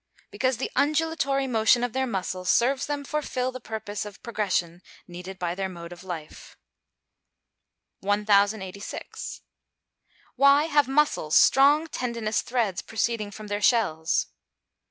_ Because the undulatory motion of their muscles serves them for fill the purposes of progression needed by their mode of life. 1086. _Why have mussels strong tendinous threads proceeding from their shells?